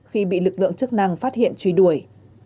khi bị lực lượng chức năng phát hiện truy đuổi